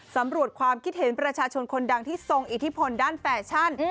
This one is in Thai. สำรวจความคิดเห็นประชาชนคนดังที่ทรงอิทธิพลด้านแฟชั่น